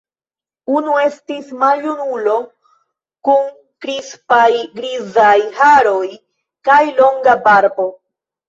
Unu estis maljunulo kun krispaj grizaj haroj kaj longa barbo.